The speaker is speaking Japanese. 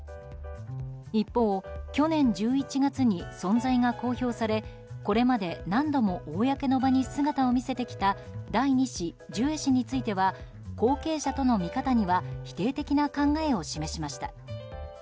一方去年１１月に存在が公表されこれまで何度も公の場に姿を見せてきた第２子、ジュエ氏については後継者との見方には否定的な考えを示しました。